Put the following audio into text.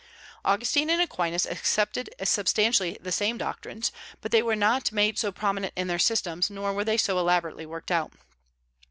Augustine and Aquinas accepted substantially the same doctrines, but they were not made so prominent in their systems, nor were they so elaborately worked out.